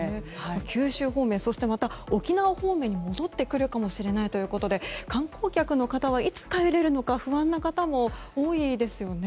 九州方面そして沖縄方面に戻ってくるかもしれないということで観光客の方はいつ帰れるのか不安な方も多いですよね。